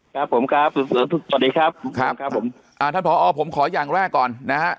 ครับผมครับสวัสดีครับครับผมอ่าท่านผอผมขออย่างแรกก่อนนะฮะ